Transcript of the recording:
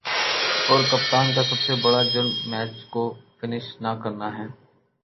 اور کپتان کا سب سے بڑا"جرم" میچ کو فنش نہ کرنا ہے ۔